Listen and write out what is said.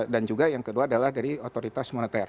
dan juga yang kedua adalah dari otoritas moneter